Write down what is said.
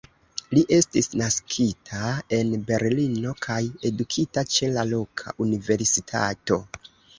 Li estis naskita en Berlino kaj edukita ĉe la loka universitato.